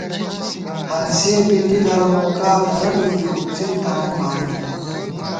ہانسِیَہ پِٹی درہ نوکا ، درہ لِکِؤ څِن تران بالِکے پت